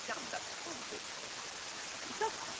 本尼迪克塔生于意大利米兰。